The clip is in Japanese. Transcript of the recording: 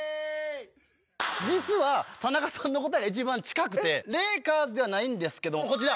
実は田中さんの答えが一番近くてレイカーズではないんですけどもこちら。